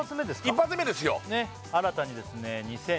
一発目ですよ